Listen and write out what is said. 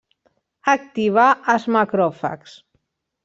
Activa els macròfags.